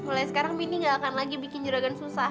mulai sekarang mini gak akan lagi bikin jeragan susah